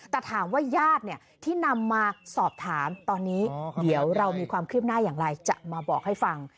แต่ถามว่าญาติที่นำมาสอบถามตอนนี้เดี๋ยวเรามีความคืบหน้าอย่างไรจะมาบอกให้ฟัง